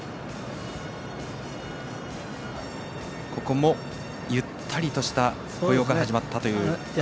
ここも、ゆったりとした歩様から始まったという感じでした。